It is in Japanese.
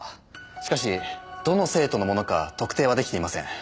しかしどの生徒のものか特定はできていません。